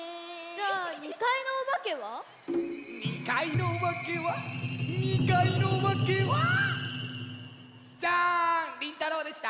じゃあ２かいのおばけは？にかいのおばけはにかいのおばけはジャーンりんたろうでした！